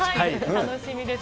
楽しみです。